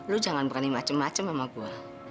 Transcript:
lo jangan berani macem macem sama gue